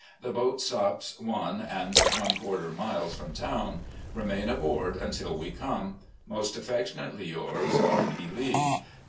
The boat stops one and one quarter miles from town. Remain aboard until we come. " Most affectionately yours, R. E. Lee.